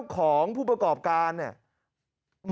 ของผู้ประกอบการเนี่ย